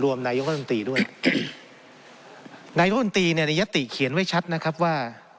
รวมนายยกษวนตรีด้วยนายยกษวนตรีนี้ยติเขียนไว้ชัดนะครับว่า